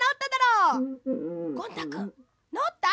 ゴン太くんなおった？